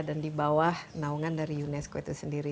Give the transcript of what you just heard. dan di bawah naungan dari unesco itu sendiri